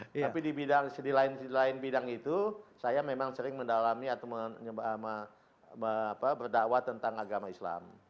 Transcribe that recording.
tapi di bidang sedi lain sedi lain bidang itu saya memang sering mendalami atau berdakwah tentang agama islam